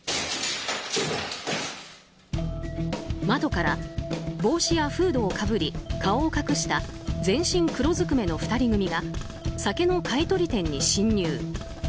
窓から、帽子やフードをかぶり顔を隠した全身黒ずくめの２人組が酒の買い取り店に侵入。